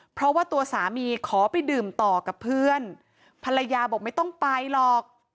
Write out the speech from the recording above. เพราะว่าตัวสามีขอไปดื่มต่อกับเพื่อนภรรยาบอกไม่ต้องไปหรอก